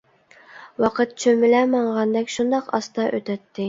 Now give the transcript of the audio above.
ۋاقىت چۆمۈلە ماڭغاندەك شۇنداق ئاستا ئۆتەتتى.